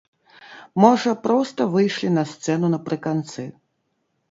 Можа, проста выйшлі на сцэну напрыканцы.